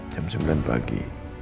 jam sembilan pagi